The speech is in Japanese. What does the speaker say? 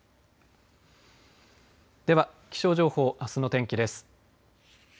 では、気象情報あすの天気です。